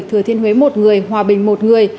thừa thiên huế một người hòa bình một người